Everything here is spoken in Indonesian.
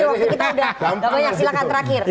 waktu kita sudah banyak silahkan terakhir